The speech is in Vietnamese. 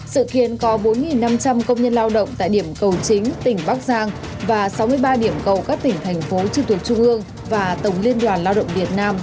sự kiến có bốn năm trăm linh công nhân lao động tại điểm cầu chính tỉnh bắc giang và sáu mươi ba điểm cầu các tỉnh thành phố trực thuộc trung ương và tổng liên đoàn lao động việt nam